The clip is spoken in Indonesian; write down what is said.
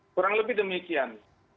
kurang lebih demikian